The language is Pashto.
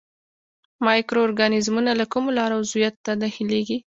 مایکرو ارګانیزمونه له کومو لارو عضویت ته داخليږي.